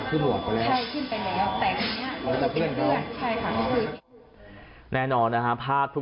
ใช่ซึ่งเราไม่รู้ว่าเขาจะไปอะไรบ้างเขาว่ามันค่อนข้างที่จะหลายชั้น